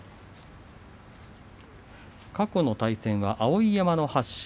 過去の対戦と碧山の８勝。